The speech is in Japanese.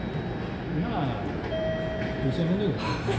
まあ、女性物だけどね。